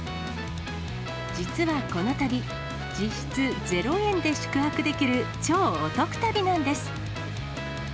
実はこの旅、実質０円で宿泊できる超お得旅なんです。